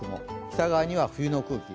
北側には冬の空気。